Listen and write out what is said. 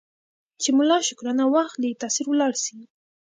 چي ملا شکرانه واخلي تأثیر ولاړ سي